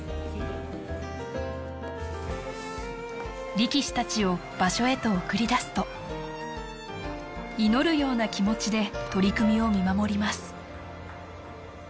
力士たちを場所へと送り出すと祈るような気持ちで取組を見守ります